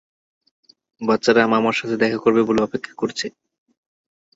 বাচ্চারা মামার সাথে দেখা করবে বলে অপেক্ষা করছে।